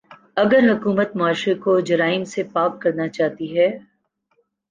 اگر حکومت معاشرے کو جرائم سے پاک کرنا چاہتی ہے۔